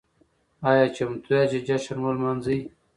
ايا چمتو ياست چې جشن ولمانځئ؟